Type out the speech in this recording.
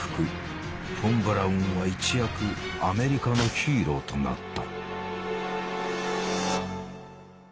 フォン・ブラウンは一躍アメリカのヒーローとなった。